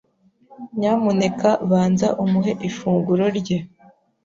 Nyamuneka banza umuhe ifunguro rye.